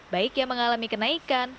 baik yang mengalami kenaikan